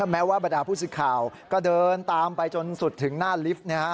แม้ว่าบรรดาผู้สื่อข่าวก็เดินตามไปจนสุดถึงหน้าลิฟต์